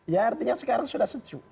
ya artinya sekarang sudah sejuk